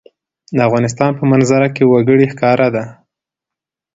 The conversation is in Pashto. د افغانستان په منظره کې وګړي ښکاره ده.